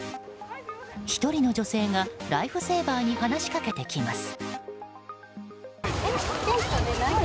１人の女性がライフセーバーに話しかけてきます。